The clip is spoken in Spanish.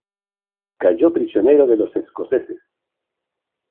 Cayó prisionero de los escoceses.